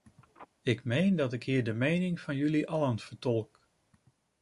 Ik meen dat ik hier de mening van jullie allen vertolk.